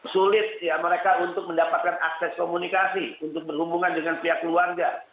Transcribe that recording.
sulit ya mereka untuk mendapatkan akses komunikasi untuk berhubungan dengan pihak keluarga